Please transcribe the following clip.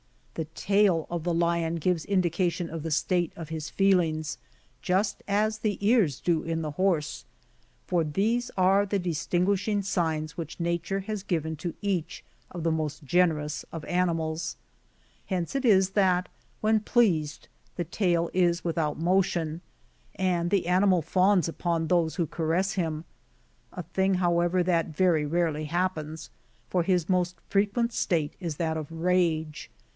* The tail of the lion gives indication of the state of his feelings, just as the ears do in the horse ; for these are the distinguishing signs which Nature has given to each of the most generous of animals. Hence it is that, when pleased, the tail is without motion, and the animal fawns upon those who caress him ; a thing, however, that very rarely happens, for his most fre quent state is that of rage.